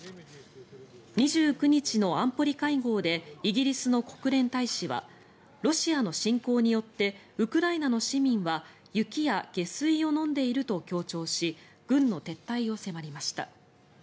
２９日の安保理会合でイギリスの国連大使はロシアの侵攻によってウクライナの市民は雪や下水を飲んでいると強調し軍の撤退を迫りました。